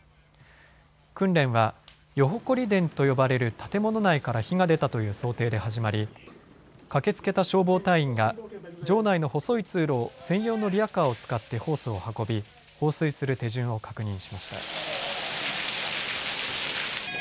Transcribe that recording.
訓練は世誇殿と呼ばれる建物内から火が出たという想定で始まり駆けつけた消防隊員が城内の細い通路を専用のリヤカーを使ってホースを運び放水する手順を確認しました。